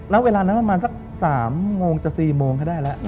แล้วเวลานั้นประมาณสัก๓โมงจะ๔โมงก็ได้แล้ว